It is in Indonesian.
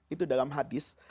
itu dalam hadis